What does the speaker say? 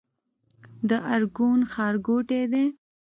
د ارګون ښارګوټی دی